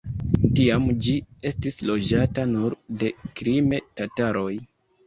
Tiam ĝi estis loĝata nur de krime-tataroj.